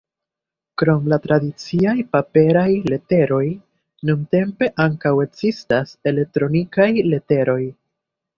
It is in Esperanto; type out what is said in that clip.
Krom la tradiciaj paperaj leteroj nuntempe ankaŭ ekzistas elektronikaj leteroj.